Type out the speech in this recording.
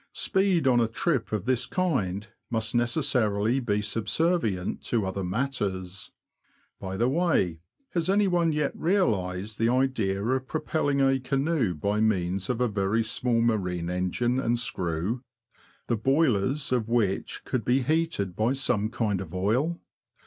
Speed on a trip of this kind must necessarily be subservient to other matters. By the way, has anyone yet realised the idea of pro pelling a canoe by means of a very small marine engine and screw, the boilers of which could be heated by some kind of oil